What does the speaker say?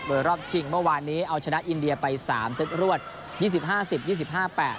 โดยรอบชิงเมื่อวานนี้เอาชนะอินเดียไปสามเซตรวดยี่สิบห้าสิบยี่สิบห้าแปด